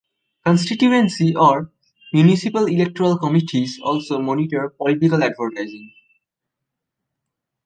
Constituency or municipal electoral committees also monitor political advertising.